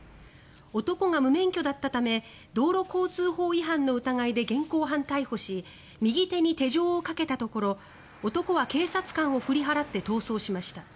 男が無免許だったため道路交通法違反の疑いで現行犯逮捕し右手に手錠をかけたところ男は警察官を振り払って逃走しました。